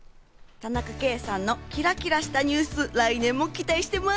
田中圭さんのキラキラしたニュース、来年も期待してます。